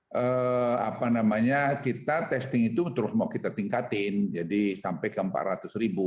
sebenarnya kita testing itu terus mau kita tingkatin jadi sampai ke empat ratus ribu